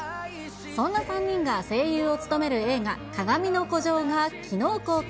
そんな３人が声優を務める映画、かがみの孤城がきのう公開。